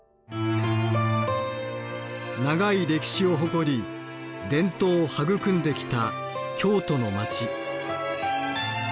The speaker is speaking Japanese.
長い歴史を誇り伝統を育んできた京都の街。